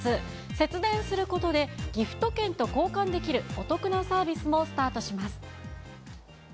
節電することで、ギフト券と交換できるお得なサービスもスタートします。